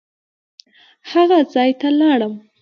هغه ځای ته لاړم.